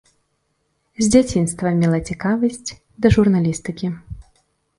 З дзяцінства мела цікавасць да журналістыкі.